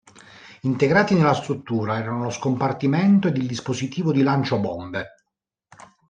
Integrati nella struttura erano lo scompartimento ed il dispositivo di lancio bombe.